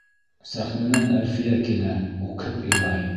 Сәхнәнән Әлфиә килә, үкһеп илай.